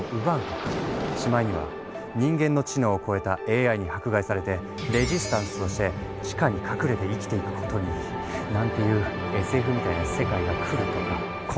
しまいには人間の知能を超えたＡＩに迫害されてレジスタンスとして地下に隠れて生きていくことになんていうＳＦみたいな世界が来るとか来ないとか。